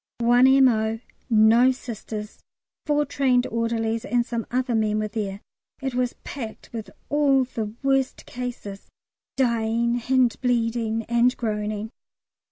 One M.O., no Sisters, four trained orderlies, and some other men were there. It was packed with all the worst cases dying and bleeding and groaning.